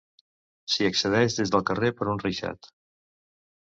S'hi accedeix des del carrer per un reixat.